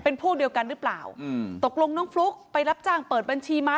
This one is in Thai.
เป็นพวกเดียวกันหรือเปล่าอืมตกลงน้องฟลุ๊กไปรับจ้างเปิดบัญชีม้า